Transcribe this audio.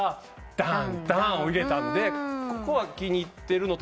「ダンダン」を入れたんでここは気に入ってるのと。